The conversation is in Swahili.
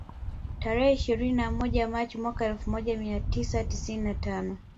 Tarehe ishirini na moja Machi mwaka elfu moja mia tisa tisini na tano